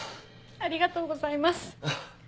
ありがとうございます。